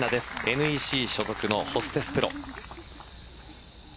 ＮＥＣ所属のホステスプロ。